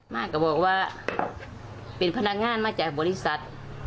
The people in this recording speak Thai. แม่ก็บอกว่าเป็นพนักงานมาจากบริษัท